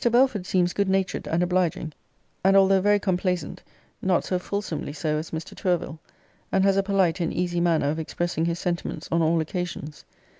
Belford seems good natured and obliging; and although very complaisant, not so fulsomely so as Mr. Tourville; and has a polite and easy manner of expressing his sentiments on all occasions.